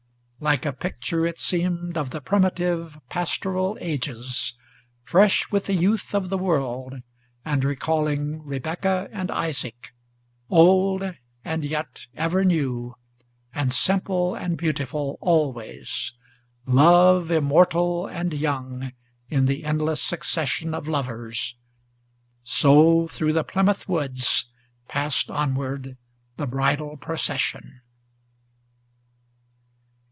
Like a picture it seemed of the primitive, pastoral ages, Fresh with the youth of the world, and recalling Rebecca and Isaac, Old and yet ever new, and simple and beautiful always, Love immortal and young in the endless succession of lovers, So through the Plymouth woods passed onward the bridal procession.